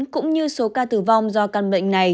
cũng như số ca tử vong do căn bệnh này